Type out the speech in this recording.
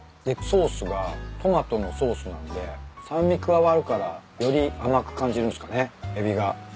でソースがトマトのソースなんで酸味加わるからより甘く感じるんすかねエビが。